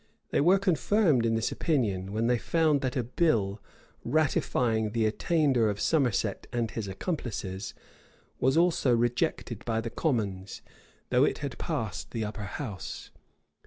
They were confirmed in this opinion, when they found that a bill, ratifying the attainder of Somerset and his accomplices, was also rejected by the commons, though it had passed the upper house.